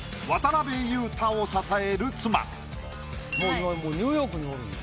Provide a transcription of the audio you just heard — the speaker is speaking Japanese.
今もうニューヨークにおるんや。